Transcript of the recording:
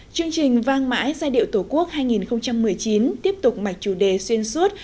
chương trình vang mãi giai điệu tổ quốc hai nghìn một mươi chín tiếp tục mạch chủ đề xuyên suốt